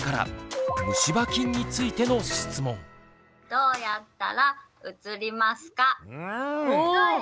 どうやったらうつりますか？